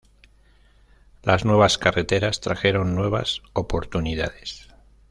Las nuevas carreteras trajeron nuevas oportunidades.